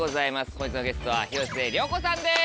本日のゲストは広末涼子さんです。